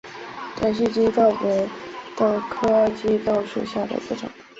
短序棘豆为豆科棘豆属下的一个种。